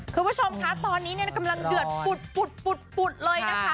คุณผู้ชมคะตอนนี้กำลังเดือดปุดเลยนะคะ